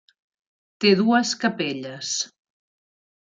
Té dues capelles.